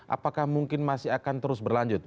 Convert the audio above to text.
apakah mungkin masih akan terus berlanjut